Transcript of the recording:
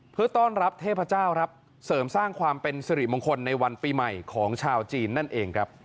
เพื่อต้อนรับเทพเจ้าครับเสริมสร้างความเป็นสิริมงคลในวันปีใหม่ของชาวจีนนั่นเองครับ